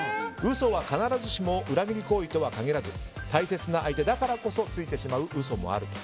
嘘は必ずしも裏切り行為とは限らず大切な相手だからこそついてしまう嘘もあると。